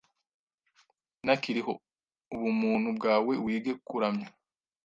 ntakiriho Ubumuntu bwawe wige kuramya